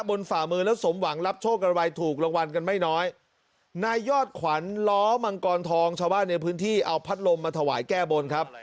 ฝ่ามือแล้วสมหวังรับโชคกันไว้ถูกรางวัลกันไม่น้อยนายยอดขวัญล้อมังกรทองชาวบ้านในพื้นที่เอาพัดลมมาถวายแก้บนครับ